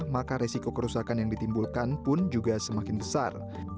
maka resiko kerusakan yang ditimbulkan pun juga semakin besar